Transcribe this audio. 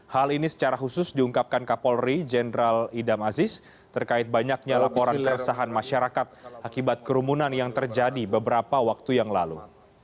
hal ini secara khusus diungkapkan kapolri jenderal idam aziz terkait banyaknya laporan keresahan masyarakat akibat kerumunan yang terjadi beberapa waktu yang lalu